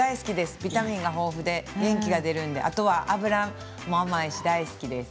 ビタミンが豊富で元気が出るので脂も甘いし大好きです。